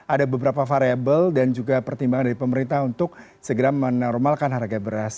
ada beberapa variable dan juga pertimbangan dari pemerintah untuk segera menormalkan harga beras